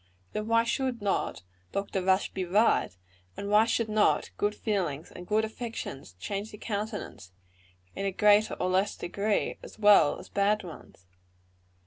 Then why should not Dr. Rush be right; and why should not good feelings and good affections change the countenance, in a greater or less degree, as well as bad ones?